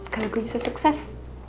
kalau gue bisa sukses